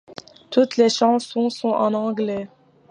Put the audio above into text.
Toutes les chansons sont en anglais.